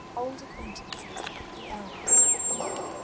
_OLD ACQUAINTANCES: THE ELMS.